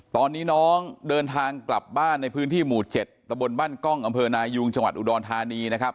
ตอนนี้น้องเดินทางกลับบ้านในพื้นที่หมู่๗ตะบนบ้านกล้องอำเภอนายุงจังหวัดอุดรธานีนะครับ